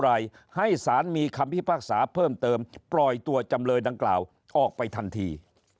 อะไรให้สารมีคำพิพากษาเพิ่มเติมปล่อยตัวจำเลยดังกล่าวออกไปทันที